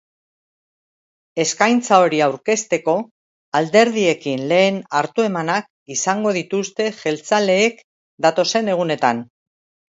Eskaintza hori aurkezteko alderdiekin lehen hartu-emanak izango dituzte jeltzaleek datozen egunetan.